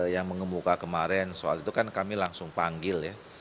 yang mengemuka kemarin soal itu kan kami langsung panggil ya